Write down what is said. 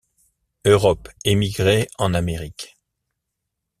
Europe émigrait en Amérique.